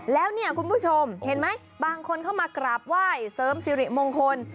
แล้วเนี่ยคุณผู้ชมเห็นไหมบางคนเข้ามากราบไหว้เสริมสิริมงคล